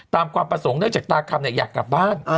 ความประสงค์เนื่องจากตาคำอยากกลับบ้าน